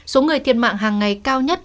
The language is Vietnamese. số người thiệt mạng hàng ngày cao nhất